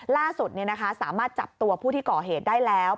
ล่าสุดสามารถจับตัวผู้ที่ก่อเหตุได้แล้ว